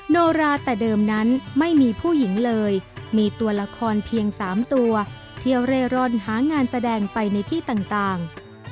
โนราแต่เดิมนั้นไม่มีผู้หญิงเลยมีตัวละครเพียง๓ตัวเที่ยวเร่ร่อนหางานแสดงไปในที่ต่าง